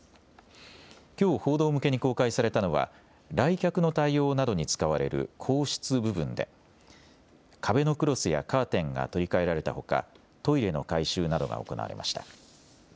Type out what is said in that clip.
きょう報道向けに公開されたのは来客の対応などに使われる公室部分で壁のクロスやカーテンが取り替えられたほかトイレの改修などが行われました。